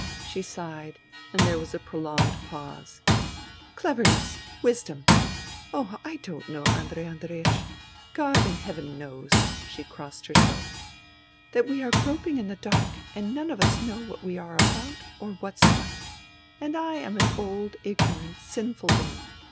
She sighed, and there was a prolonged pause. " Cleverness ! Wisdom !... Oh, I don't know, Andrei Andreiech. God in heaven knows "— she crossed herself —" that we are groping in the dark and none of us know what we are about or what's what, and I am an old ignorant, sinful woman.